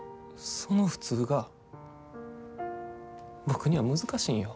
その普通が僕には難しいんよ。